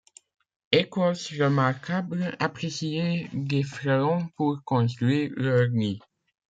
Écorce remarquable appréciée des frelons pour construire leur nid.